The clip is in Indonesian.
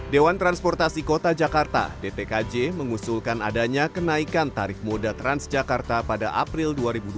dewan transportasi kota jakarta dtkj mengusulkan adanya kenaikan tarif moda transjakarta pada april dua ribu dua puluh